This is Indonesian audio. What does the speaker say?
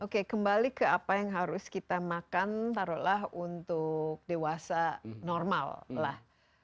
oke kembali ke apa yang harus kita makan taruhlah untuk dewasa normal lah